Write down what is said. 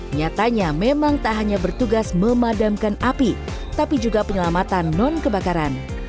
nyatanya memang tak hanya bertugas memadamkan api tapi juga penyelamatan non kebakaran